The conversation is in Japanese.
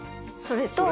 それと？